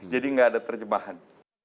jadi gak ada terjemahan